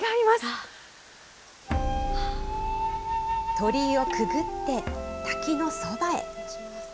鳥居をくぐって、滝のそばへ。